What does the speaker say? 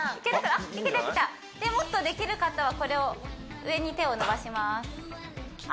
でもっとできる方はこれを上に手を伸ばしますあ！